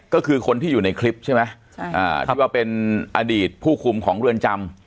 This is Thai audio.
ก็คือคนที่อยู่ในคลิปใช่ไหมที่ว่าเป็นอดีตผู้คุมของเรือนจำ